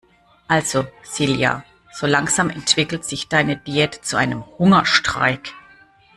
Also Silja, so langsam entwickelt sich deine Diät zu einem Hungerstreik.